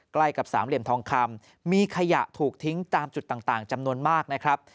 ใกล้กับสามเหลี่ยมทองคำมีขยะถูกทิ้งตามจุดต่างจำนวนมากนะครับ